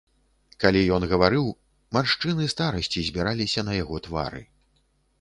Калі ён гаварыў, маршчыны старасці збіраліся на яго твары.